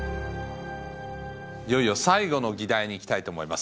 いよいよ最後の議題にいきたいと思います。